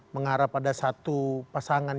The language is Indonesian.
mengarah pada satu pasangan